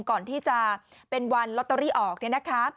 ก่อนที่จะเป็นวันลอตเตอรี่ออกเนี่ยนะคะ